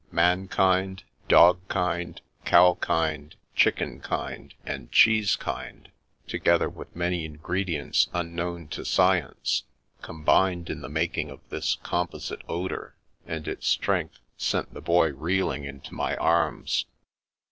Mankind, dog kind, cow kind, chicken kind, and cheese kind, together with many ingredients unknown to science, com bined in the making of this composite odour, and its strength sent the Boy reeling into my arms.